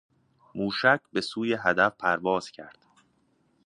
موشک بسوی هدف پرواز کرد.